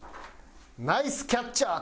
「ナイスキャッチャー！」